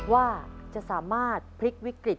ว่าจะสามารถพลิกวิกฤต